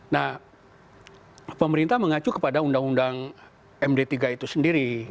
nah pemerintah mengacu kepada undang undang md tiga itu sendiri